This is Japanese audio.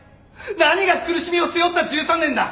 何が「苦しみを背負った１３年」だ！